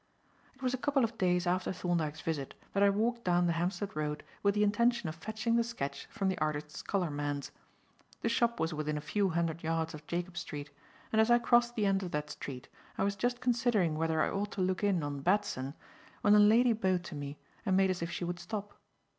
It was a couple of days after Thorndyke's visit that I walked down the Hampstead Road with the intention of fetching the sketch from the artist's colourman's. The shop was within a few hundred yards of Jacob Street, and as I crossed the end of that street, I was just considering whether I ought to look in on Batson, when a lady bowed to me and made as if she would stop.